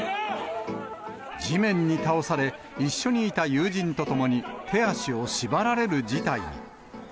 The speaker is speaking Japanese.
地面に倒され、一緒にいた友人と共に、手足を縛られる事態に。